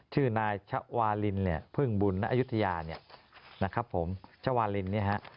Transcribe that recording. ชื่อนายชะวาลินเนี่ยพึ่งบุญณอายุทยาเนี่ยนะครับผมชวาลินเนี่ยฮะ